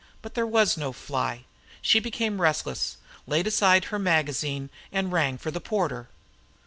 But there was no fly. She became restless, laid aside her magazine, and rang for the porter.